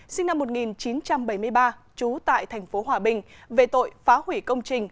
sinh năm một nghìn chín trăm bảy mươi ba trú tại tp hòa bình về tội phá hủy công trình